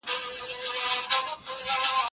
د انګلیسي ژبې ټولګي په هغه وخت کې نوي پيل شوي وو.